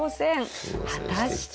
果たして。